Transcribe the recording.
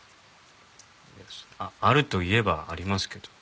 あるといえばありますけど。